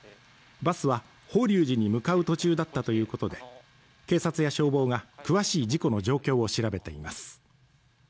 バスは法隆寺に向かう途中だったということで警察や消防が詳しい事故の状況を調べています